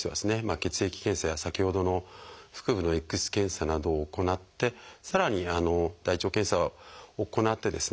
血液検査や先ほどの腹部のＸ線検査などを行ってさらに大腸検査を行ってですね